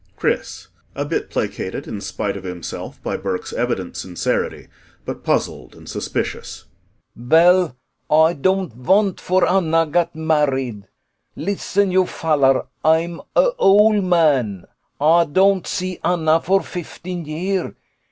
CHRIS [A bit placated, in spite of himself, by BURKE'S evident sincerity but puzzled and suspicious.] Vell Ay don't vant for Anna gat married. Listen, you fallar. Ay'm a ole man. Ay don't see Anna for fifteen year.